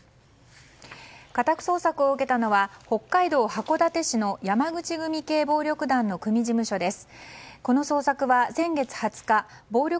家宅捜索を受けたのは北海道函館市の山口組系暴力団の組事務所です。